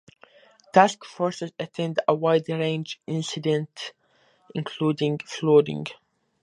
Task forces attend a wide range of incidents including flooding.